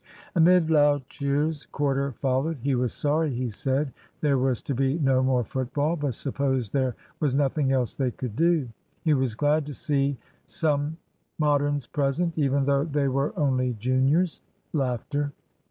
Amid loud cheers Corder followed. He was sorry, he said, there was to be no more football, but supposed there was nothing else they could do. He was glad to see some Moderns present, even though they were only juniors.